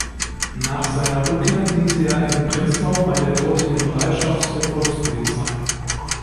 Nach seiner Rückkehr diente er in Prenzlau bei der dortigen Bereitschaft der Volkspolizei.